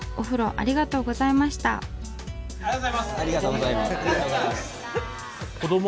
ありがとうございます。